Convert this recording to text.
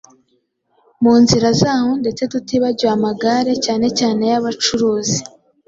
mu nzira zaho ndetse tutibagiwe amagare cyane cyane ay’abacuruzi